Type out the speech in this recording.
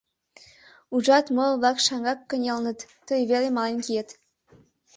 Ужат, моло-влак шаҥгак кынелыныт, тый веле мален киет!